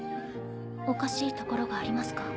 おかしいところがありますか？